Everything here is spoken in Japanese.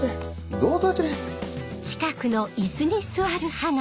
どうぞあちらに。